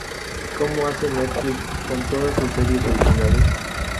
Como hace Netflix con todas sus series originales.